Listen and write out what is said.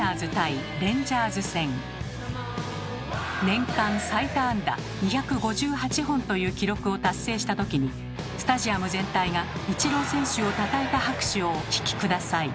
年間最多安打２５８本という記録を達成した時にスタジアム全体がイチロー選手をたたえた拍手をお聞き下さい。